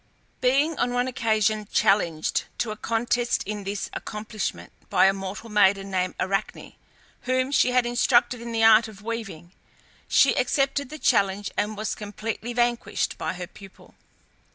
Being on one occasion challenged to a contest in this accomplishment by a mortal maiden named Arachne, whom she had instructed in the art of weaving, she accepted the challenge and was completely vanquished by her pupil.